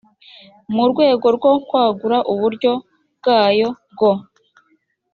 mu rwego rwo kwagura uburyo bwayo bwo